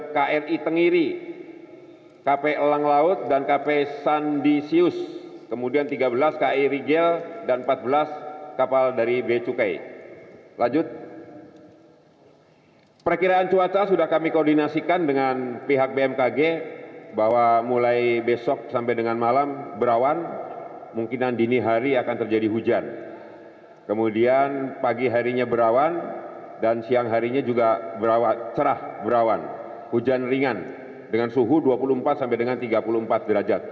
keraunjoba kemudian pagi harinya berawan dan siang harinya juga cerah berawan hujan ringan dengan suhu dua puluh empat sampai dengan tiga puluh empat derajat